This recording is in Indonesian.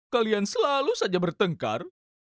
kalian selalu saja bertengkar